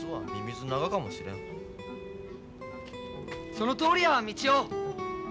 そのとおりや道雄。